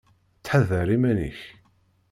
Ttḥadar iman-ik!